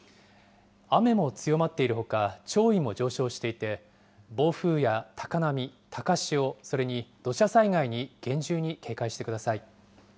雨も強まっているほか、潮位も上昇していて、暴風や高波、高潮、それに土砂災害に厳重に警戒してください。